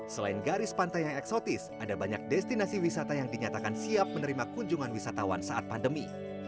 selain garis pantai yang eksotis ada banyak destinasi wisata yang dinyatakan siap menerima kunjungan wisatawan saat pandemi